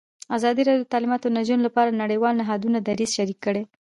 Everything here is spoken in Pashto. ازادي راډیو د تعلیمات د نجونو لپاره د نړیوالو نهادونو دریځ شریک کړی.